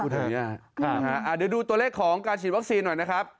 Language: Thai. เดี๋ยวดูตัวเลขของการฉีดวัคซีนหน่อยนะครับ